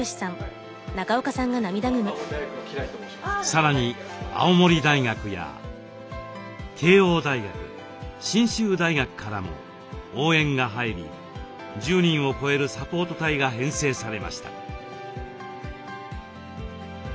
さらに青森大学や慶應大学信州大学からも応援が入り１０人を超えるサポート隊が編成されました。